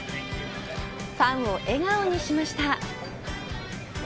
ファンを笑顔にしました。